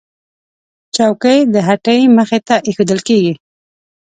چوکۍ د هټۍ مخې ته ایښودل کېږي.